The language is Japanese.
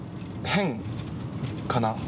変かな？